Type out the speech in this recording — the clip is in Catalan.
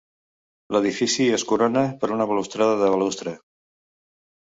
L'edifici es corona per una balustrada de balustre.